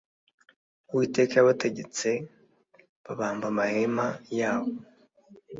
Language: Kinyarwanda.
uwiteka yabategetse babamba amahema yabo